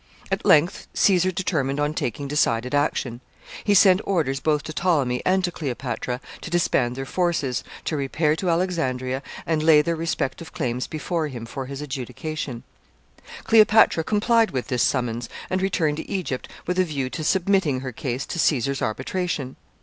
At length Caesar determined on taking decided action. He sent orders both to Ptolemy and to Cleopatra to disband their forces, to repair to Alexandria, and lay their respective claims before him for his adjudication. [Sidenote: Cleopatra.] Cleopatra complied with this summons, and returned to Egypt with a view to submitting her case to Caesar's arbitration.